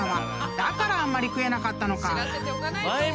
だからあんまり食えなかったのか］